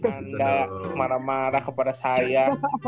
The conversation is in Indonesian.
anda marah marah kepada saya